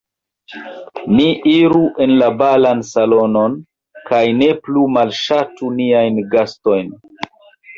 Ni iru en la balan salonon kaj ne plu malŝatu niajn gastojn.